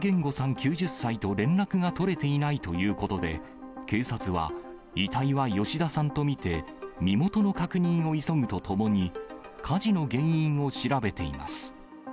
９０歳と連絡が取れていないということで、警察は遺体は吉田さんと見て、身元の確認を急ぐとともに、火事の原因を調べています。